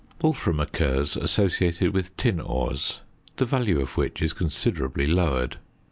Wolfram occurs associated with tin ores, the value of which is consequently lowered.